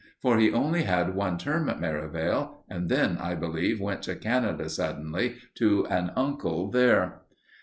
For he only had one term at Merivale, and then, I believe, went to Canada suddenly, to an uncle there.